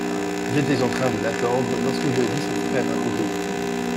J’étais en train de l’attendre lorsque je vis son frère accourir.